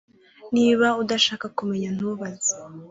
Niba udashaka kumenya ntubaze